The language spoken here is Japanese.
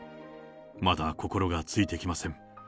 まだ心がついてきません。